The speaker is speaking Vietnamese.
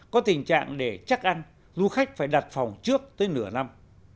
có tình trạng để chắc ăn du khách phải đặt phòng trước tới nửa năm